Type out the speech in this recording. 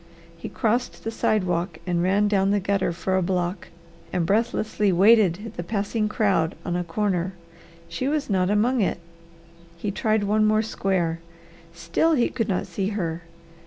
He crossed the sidewalk and ran down the gutter for a block and breathlessly waited the passing crowd on the corner. She was not among it. He tried one more square. Still he could not see her.